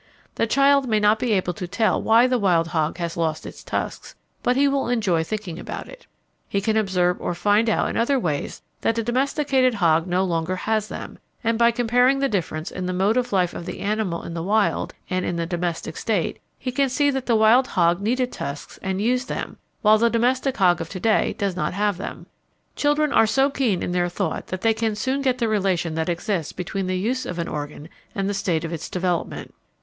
The child may not be able to tell why the wild hog has lost its tusks, but he will enjoy thinking about it. He can observe or find out in other ways that the domesticated hog no longer has them, and by comparing the difference in the mode of life of the animal in the wild and in the domestic state he can see that the wild hog needed tusks and used them, while the domestic hog of to day does not have them. Children are so keen in their thought that they can soon get the relation that exists between the use of an organ and the state of its development.